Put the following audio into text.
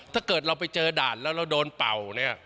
ถ้าเกิดเราไปเจอด่านแล้วเราโดนเป่าเนี่ย